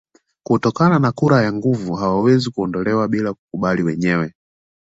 Kutokana na kura ya nguvu hawawezi kuondolewa bila kukubali wenyewe